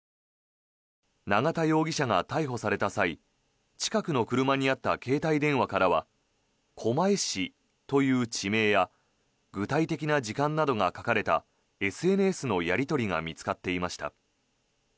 永田容疑者が逮捕された際近くの車にあった携帯電話からは狛江市という地名や具体的な時間などが書かれたＳＮＳのやり取りが見つかっていました。